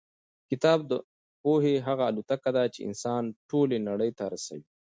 کتاب د پوهې هغه الوتکه ده چې انسان ټولې نړۍ ته رسوي.